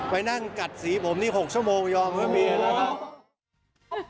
ไปนั่งกัดสีผมนี่๖ชั่วโมงยอมเพื่อเมียแล้วครับ